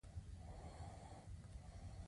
هغوی د سفر له یادونو سره راتلونکی جوړولو هیله لرله.